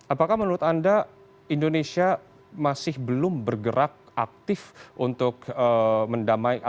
apakah menurut anda indonesia masih belum bergerak aktif untuk mendamaikan